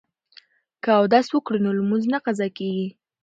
که اودس وکړو نو لمونځ نه قضا کیږي.